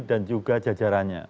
dan juga jajarannya